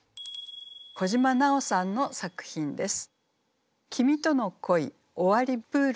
小島なおさんの作品です。